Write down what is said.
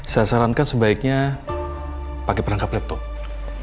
saya sarankan sebaiknya pakai perangkap laptop